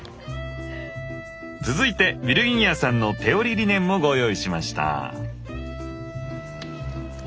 続いてヴィルギニヤさんの手織りリネンもご用意しました。